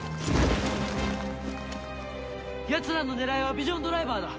やつらの狙いはヴィジョンドライバーだ！